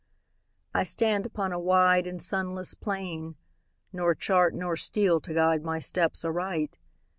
I stand upon a wide and sunless plain, Nor chart nor steel to guide my steps aright.